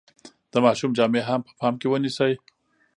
د ماشوم جامې هم په پام کې ونیسئ.